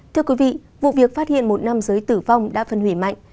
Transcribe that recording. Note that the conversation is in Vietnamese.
thưa quý vị vụ việc phát hiện một nam giới tử vong đã phân hủy mạnh